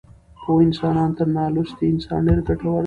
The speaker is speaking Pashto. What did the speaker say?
پوه انسان تر نالوستي انسان ډېر ګټور دی.